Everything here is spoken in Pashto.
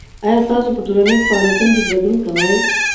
آیا تاسو په ټولنیزو فعالیتونو کې ګډون کوئ؟